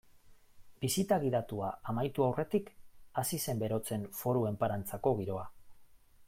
Bisita gidatua amaitu aurretik hasi zen berotzen Foru Enparantzako giroa.